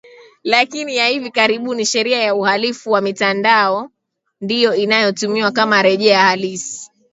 lakini ya hivi karibuni Sheria ya Uhalifu wa Mitandao ndiyo inatumiwa kama rejea halisi